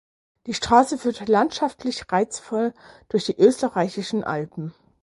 Die Straße führt landschaftlich reizvoll durch die österreichischen Alpen.